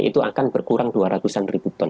itu akan berkurang dua ratus an ribu ton